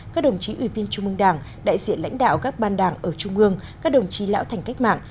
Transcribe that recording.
các đồng chí ủy viên trung mương đảng đại diện lãnh đạo các ban đảng ở trung ương các đồng chí lão thành cách mạng